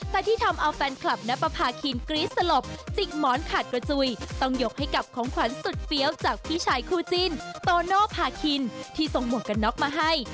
แต่ที่ทำเอาแฟนคลับณปภาคินกรี๊ดสลบจิกหมอนขาดกระจุยต้องยกให้กับของขวัญสุดเฟี้ยวจากพี่ชายคู่จิ้นโตโนภาคินที่ส่งหมวกกันน็อกมาให้